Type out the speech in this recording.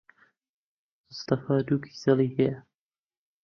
مستەفا دوو کیسەڵی ھەیە.